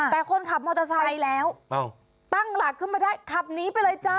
แต่คนขับมอเตอร์ไซค์แล้วตั้งหลักขึ้นมาได้ขับหนีไปเลยจ้า